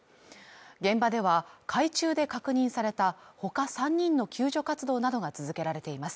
現場では海中で確認された他３人の救助活動などが続けられています。